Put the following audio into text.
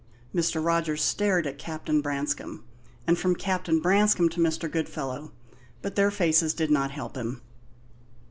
Mr. Rogers stared at Captain Branscome, and from Captain Branscome to Mr. Goodfellow, but their faces did not help him.